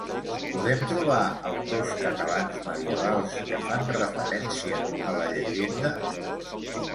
Podem trobar autors catalans medievals que fan referència a la llegenda?